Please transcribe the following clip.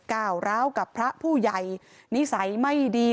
ก้าวร้าวกับพระผู้ใหญ่นิสัยไม่ดี